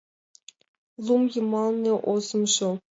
Лум йымалне озымжо